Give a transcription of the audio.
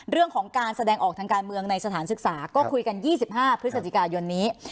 เรื่องของการแสดงออกทางการเมืองในสถานศึกษาก็คุยกัน๒๕พฤศจิกายนนี้